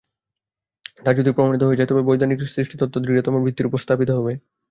তা যদি প্রমাণিত হয়ে যায়, তবে বৈদান্তিক সৃষ্টিতত্ত্ব দৃঢ়তম ভিত্তির উপর স্থাপিত হবে।